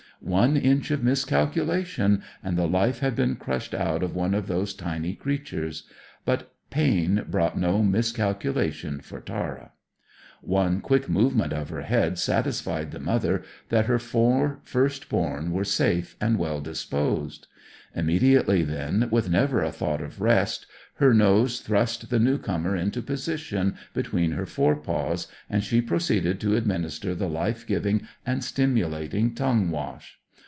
One inch of miscalculation, and the life had been crushed out of one of those tiny creatures. But pain brought no miscalculation for Tara. One quick movement of her head satisfied the mother that her four firstborn were safe and well disposed. Immediately then, with never a thought of rest, her nose thrust the new comer into position between her fore paws, and she proceeded to administer the life giving and stimulating tongue wash.